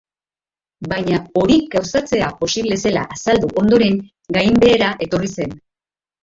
Baina hori gauzatzea posible zela azaldu ondoren, gainbehera etorri zen.